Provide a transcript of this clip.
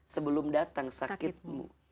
sebelum datang sakitmu